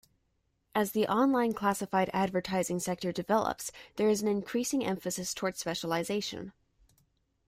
As the online classified advertising sector develops, there is an increasing emphasis toward specialization.